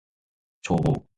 帳簿